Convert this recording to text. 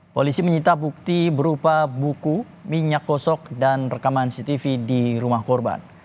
polisi menyita bukti berupa buku minyak kosok dan rekaman cctv di rumah korban